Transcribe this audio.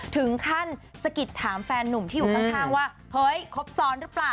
สะกิดถามแฟนนุ่มที่อยู่ข้างว่าเฮ้ยครบซ้อนหรือเปล่า